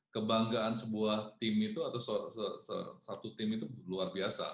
kebanggaan sebuah tim itu atau satu tim itu luar biasa